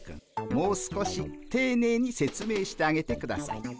もう少していねいに説明してあげてください。